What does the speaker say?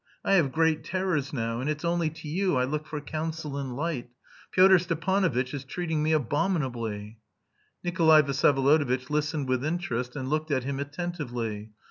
I have great terrors now, and it's only to you I look for counsel and light. Pyotr Stepanovitch is treating me abominably!" Nikolay Vsyevolodovitch listened with interest, and looked at him attentively.